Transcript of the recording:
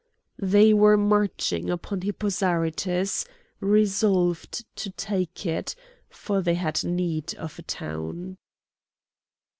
They were marching upon Hippo Zarytus, resolved to take it, for they had need of a town.